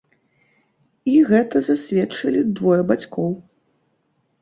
І гэта засведчылі двое бацькоў.